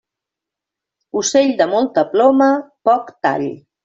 Ocell de molta ploma, poc tall.